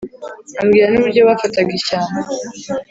ambwira n’uburyo bafataga ishyamba